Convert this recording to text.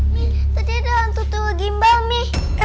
min tadi ada hantu hantu gimbal mi